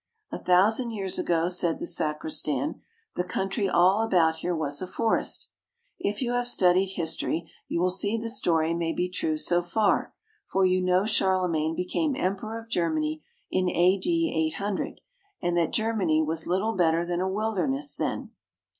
"A thousand years ago," said the sacristan, "the country all about here was a forest." If you have studied history, you will see the story may be true so far, for you know Charlemagne became Emperor of Germany in A.D. 800, and that Germany was little better than a wilderness then.